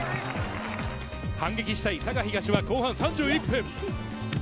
反撃したい佐賀東は後半３１分。